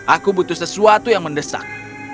aku butuh sesuatu yang mendesak